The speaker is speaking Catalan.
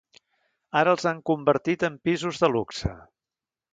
Ara els han convertit en pisos de luxe.